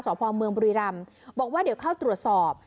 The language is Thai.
ภอมเมืองบุรีรำบอกว่าเดี๋ยวเข้าตรวจสอบ